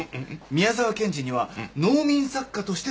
宮沢賢治には農民作家としての一面もあります。